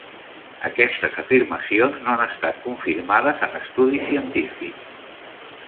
Aquestes afirmacions no han estat confirmades en estudis científics.